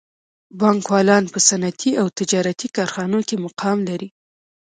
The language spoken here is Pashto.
بانکوالان په صنعتي او تجارتي کارخانو کې مقام لري